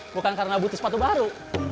bukan karena butuh sepatu baru